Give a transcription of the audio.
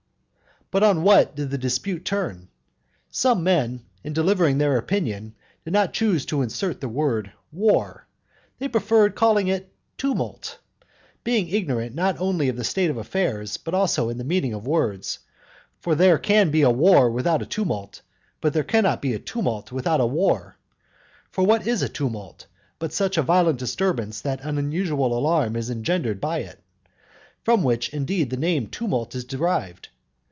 But on what did the dispute turn? Some men, in delivering their opinion, did not choose to insert the word "war". They preferred calling it "tumult," being ignorant not only of the state of affairs, but also of the meaning of words. For there can be a "war" without a "tumult," but there cannot be a "tumult" without a "war." For what is a "tumult," but such a violent disturbance that an unusual alarm is engendered by it? from which indeed the name "tumult" is derived.